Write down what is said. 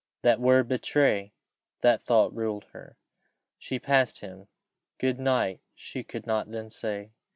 That word betray that thought ruled her. She passed him: "Good night" she could not then say.